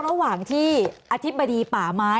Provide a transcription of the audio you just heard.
ตั้งแต่เริ่มมีเรื่องแล้ว